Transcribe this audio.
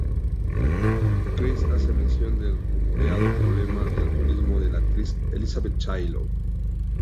Chris hace mención del rumoreado problema de alcoholismo de la actriz Elizabeth Taylor.